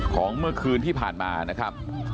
ของเมื่อคืนที่ผ่านมา